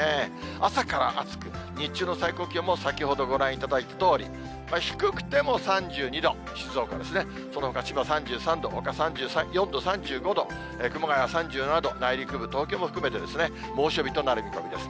朝から暑く、日中の最高気温も先ほどご覧いただいたとおり、低くても３２度、静岡ですね、そのほか千葉３３度、ほか３４度、３５度、熊谷３７度、内陸部、東京も含めて、猛暑日となる見込みです。